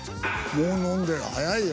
もう飲んでる早いよ。